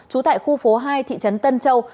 chú tại khu phố hai thị trấn tân châu